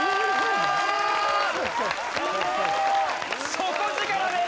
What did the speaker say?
底力です！